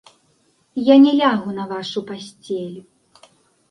Я не лягу на вашу пасцель.